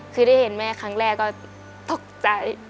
คือได้เห็นแม่ครั้งแรกก็ตกใจ